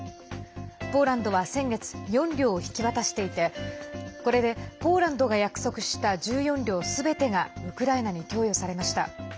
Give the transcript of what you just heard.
ポーランドは先月４両を引き渡していてこれでポーランドが約束した１４両すべてがウクライナに供与されました。